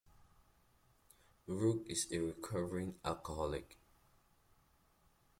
Rook is a recovering alcoholic.